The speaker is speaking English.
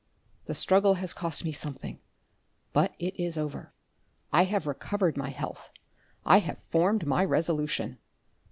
The struggle has cost me something, but it is over. I have recovered my health, I have formed my resolution.